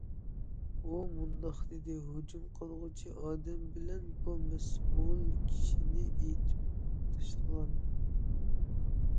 ئۇ مۇنداق دېدى: ھۇجۇم قىلغۇچى ئالدى بىلەن بۇ مەسئۇل كىشىنى ئېتىپ تاشلىغان.